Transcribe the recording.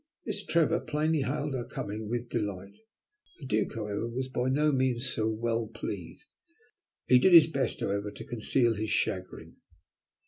Miss Trevor plainly hailed our coming with delight; the Duke, however, was by no means so well pleased. He did his best, however, to conceal his chagrin.